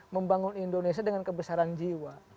membangun indonesia dengan kebesaran jiwa